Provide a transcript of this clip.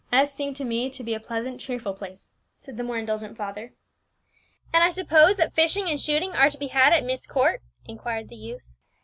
"S seemed to me to be a pleasant, cheerful place," said the more indulgent father. "And I suppose that fishing and shooting are to be had at Myst Court?" inquired the youth.